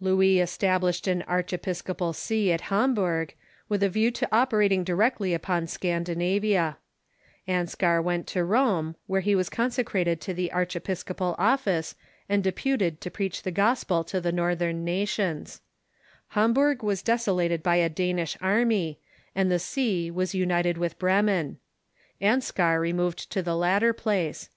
Louis established an archiepiscopal see at Hamburg, with a view to operating directly upon Scandinavia, Anskar went to Rome, Avhere he was consecrated to the archiepiscopal oflice and deputed to preach the gospel to the Northern nations, Hamburg was desolated by a Danish army, and the see was united with Bremen, Anskar removed to the latter place.